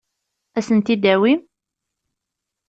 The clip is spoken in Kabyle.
Ad asen-t-id-tawim?